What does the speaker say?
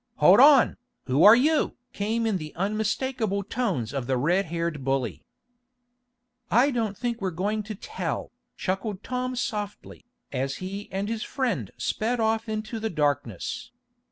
"Hold on! Who are you?" came in the unmistakable tones of the red haired bully. "I don't think we're going to tell," chuckled Tom softly, as he and his friend sped off into the darkness.